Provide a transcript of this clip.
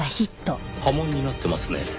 破門になってますね。